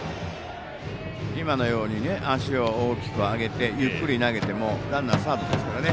今のように足を大きく上げてゆっくり投げてもランナー、サードですからね。